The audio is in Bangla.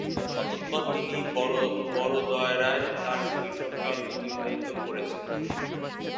অতঃপর তিনি বড়োদরায় তাঁর শৈশবকাল অতিবাহিত করেছেন।